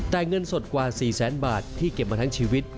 แต่เงินสดกว่า๔แสนบาทที่เก็บมาทั้งชีวิต